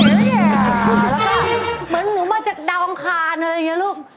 เหมือนลูกมาจากดังคารอะไรอย่างนี้ลูก